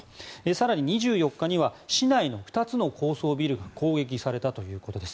更に、２４日には市内の２つの高層ビルが攻撃されたということです。